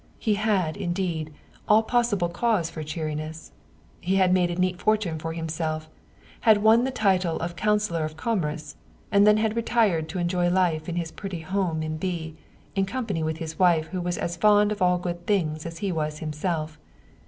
He had, indeed, all possible cause for cheeriness. He had made a neat fortune for him self, had won the title of Councilor of Commerce, and then had retired to enjoy life in his pretty home in B. in com pany with a wife who was as fond of all good things as he was himself.